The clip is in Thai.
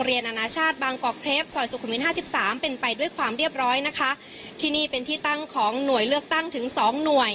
หัวหน้าพักของพลังประชารัฐในอุตมะสวนายน